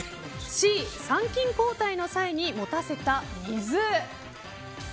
Ｃ、参勤交代の際に持たせた水。